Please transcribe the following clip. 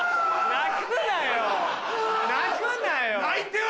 泣くなよ！